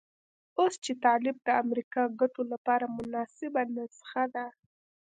اوس چې طالب د امریکا ګټو لپاره مناسبه نسخه ده.